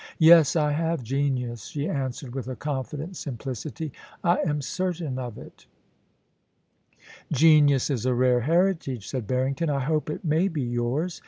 * Yes, I have genius,' she answered, with a confident sim plicity. ' I am certain of it* ' Genius is a rare heritage,' said Barrington. * I hope it may be yours.